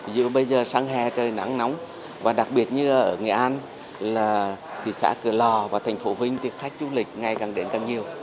ví dụ bây giờ sang hè trời nắng nóng và đặc biệt như ở nghệ an là thị xã cửa lò và thành phố vinh thì khách du lịch ngày càng đến càng nhiều